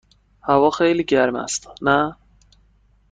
هوا خیلی گرم است، نه؟